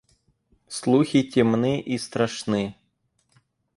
Слухи темны и страшны.